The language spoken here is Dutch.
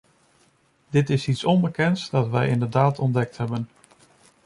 Dit is iets onbekends dat wij inderdaad ontdekt hebben.